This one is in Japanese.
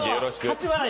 ８笑い